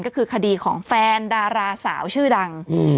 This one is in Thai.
ก็คือคดีของแฟนดาราสาวชื่อดัง